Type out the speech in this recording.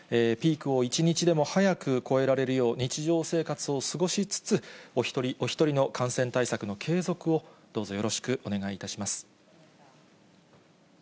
ピークを一日でも早く越えられるよう、日常生活を過ごしつつ、お一人お一人の感染対策の継続を、どうぞよろしくお願いいたします。